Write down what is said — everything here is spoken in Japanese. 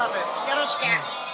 よろしく。